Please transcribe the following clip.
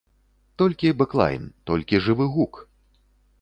Толькі бэклайн, толькі жывы гук!